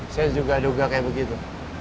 saya juga duga kayak begitu